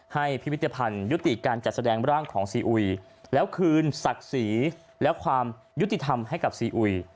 พิพิธภัณฑ์ยุติการจัดแสดงร่างของซีอุยแล้วคืนศักดิ์ศรีและความยุติธรรมให้กับซีอุย